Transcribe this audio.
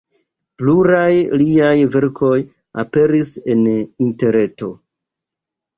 Pluraj liaj verkoj aperis en interreto.